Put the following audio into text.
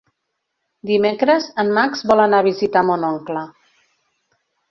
Dimecres en Max vol anar a visitar mon oncle.